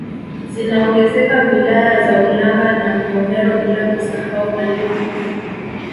Zinaongezeka wilaya za Ulanga na Mvomero bila kusahau Malinyi